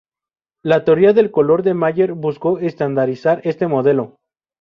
La teoría del color de Mayer buscó estandarizar este modelo.